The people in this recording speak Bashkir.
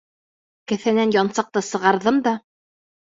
Кеҫәнән янсыҡты сығарҙым да: